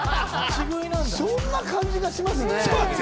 そんな感じがしますね。